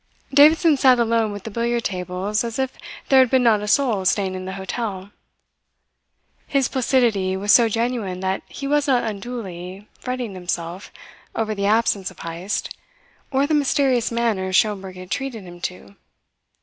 Davidson sat alone with the billiard tables as if there had been not a soul staying in the hotel. His placidity was so genuine that he was not unduly, fretting himself over the absence of Heyst, or the mysterious manners Schomberg had treated him to.